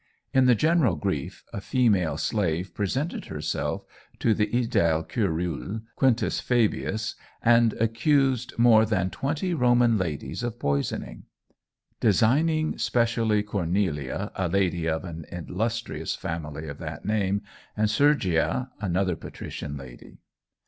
In the general grief, a female slave presented herself to the edile curule Q. Fabius and accused more than twenty Roman ladies of poisoning: designing specially Cornelia, a lady of an illustrious family of that name, and Sergia, another patrician lady.